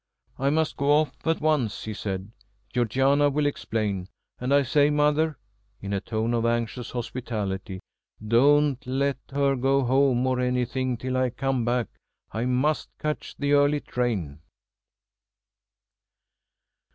"I must go off at once," he said. "Georgiana will explain. And I say, mother" in a tone of anxious hospitality "don't let her go home, or anything, till I come back. I must catch the early train."